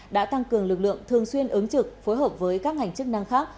đã tăng cường lực lượng thường xuyên ứng trực phối hợp với các ngành chức năng khác